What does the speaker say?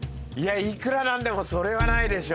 いくら何でもそれはないでしょ。